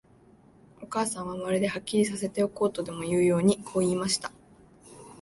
お母さんは、まるで、はっきりさせておこうとでもいうように、こう言いました。